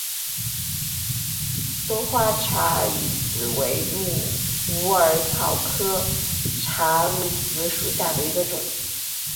多花茶藨子为虎耳草科茶藨子属下的一个种。